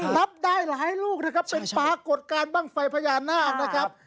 รับได้หลายลูกเป็นปลากฏการปลางไฟพญานาค